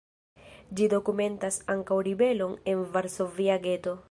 Ĝi dokumentas ankaŭ ribelon en varsovia geto.